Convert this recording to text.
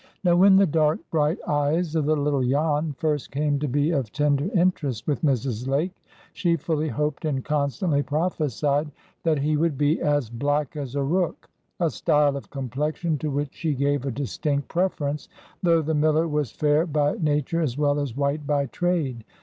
Now, when the dark bright eyes of the little Jan first came to be of tender interest with Mrs. Lake, she fully hoped, and constantly prophesied, that he would be "as black as a rook;" a style of complexion to which she gave a distinct preference, though the miller was fair by nature as well as white by trade.